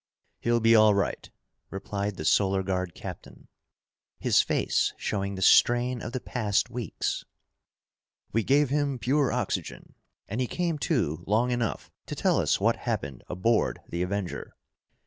"He'll be all right," replied the Solar Guard captain, his face showing the strain of the past weeks. "We gave him pure oxygen and he came to long enough to tell us what happened aboard the Avenger.